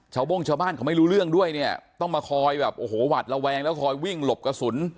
ชาวบ้งชาวบ้านไม่รู้เรื่องด้วยต้องมาคอยหวัดระแวงแล้วคอยวิ่งหลบกระสุน